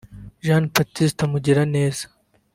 Jean-Baptiste Mugiraneza